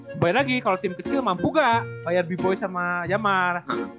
kembali lagi kalau tim kecil mampu gak bayar bepoy sama jamar